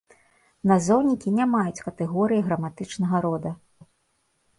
Назоўнікі не маюць катэгорыі граматычнага рода.